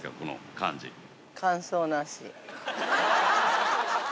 感想なし。